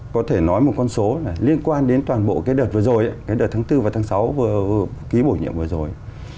có thể nói một con số liên quan đến toàn bộ cái đợt vừa rồi cái đợt tháng bốn và tháng sáu ký bổ nhiệm vừa rồi